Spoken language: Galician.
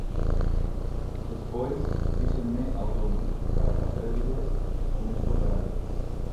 Despois fíxenme autónomo, para facerlles o mesmo traballo.